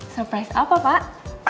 surprise apa pak